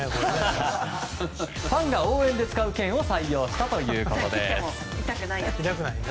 ファンが応援で使う剣を採用したということです。